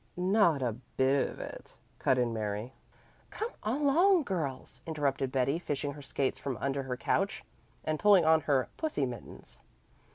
"Not a bit of it," cut in Mary. "Come along, girls," interrupted Betty, fishing her skates from under her couch, and pulling on her "pussy" mittens.